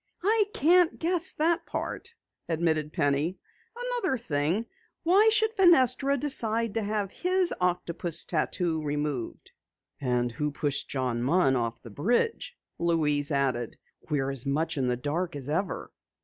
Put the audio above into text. "I can't guess that part," admitted Penny. "Another thing, why should Fenestra decide to have his octopus tattoo removed?" "And who pushed John Munn off the bridge?" Louise added. "We're as much in the dark as ever."